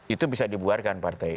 itu bisa dibuarkan partai